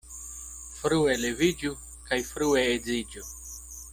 Frue leviĝu kaj frue edziĝu.